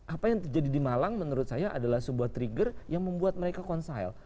apa yang terjadi di malang menurut saya adalah sebuah trigger yang membuat mereka consile